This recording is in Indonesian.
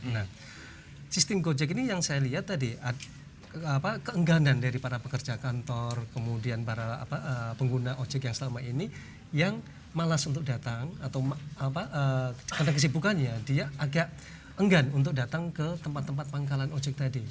nah sistem gojek ini yang saya lihat tadi keengganan dari para pekerja kantor kemudian para pengguna ojek yang selama ini yang malas untuk datang atau karena kesibukannya dia agak enggan untuk datang ke tempat tempat pangkalan ojek tadi